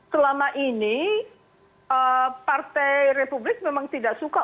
selama ini partai republik memang tidak suka